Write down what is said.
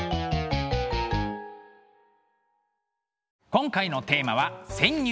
今回のテーマは「潜入！